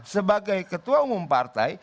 sebagai ketua umum partai